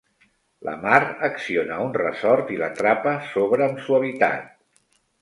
La Mar acciona un ressort i la trapa s'obre amb suavitat.